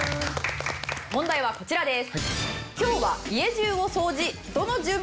問題はこちらです。